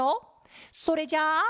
それじゃあ。